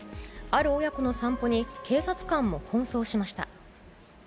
ある親子の散歩に、警察官も奔走しました。